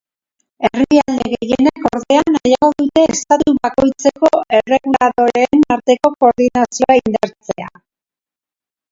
Herrialde gehienek, ordea, nahiago dute estatu bakoitzeko erreguladoreen arteko koordinazioa indartzea.